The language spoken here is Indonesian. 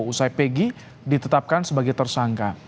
usai pegi ditetapkan sebagai tersangka